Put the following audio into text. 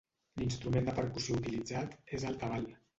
L'instrument de percussió utilitzat és el Tabal.